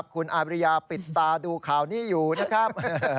คุณอาบริยาปิดตาดูข่าวนี้อยู่นะครับ